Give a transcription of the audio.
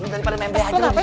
lo daripada membe aja lo disini